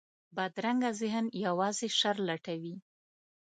بدرنګه ذهن یوازې شر لټوي